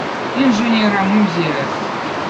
inženerõ muzejõz